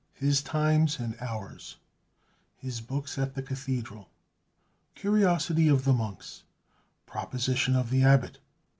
His Times and Ours. His Books at the Cathedral. Curiosity of the Monks. Proposition of the Abbot.